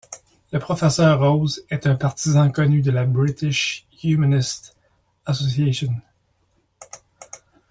Le Professeur Rose est un partisan connu de la British Humanist Association.